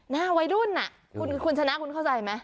หน้าวัยรุ่นคุณชนะคุณเข้าใจไหม